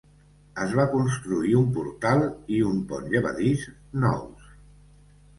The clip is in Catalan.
Es va construir un portal i un pont llevadís nous.